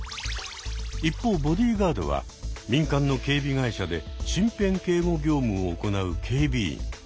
一方ボディーガードは民間の警備会社で身辺警護業務を行う警備員。